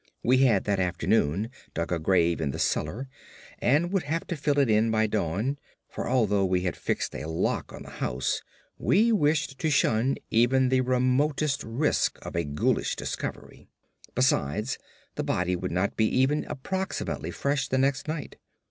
We had that afternoon dug a grave in the cellar, and would have to fill it by dawn—for although we had fixed a lock on the house we wished to shun even the remotest risk of a ghoulish discovery. Besides, the body would not be even approximately fresh the next night.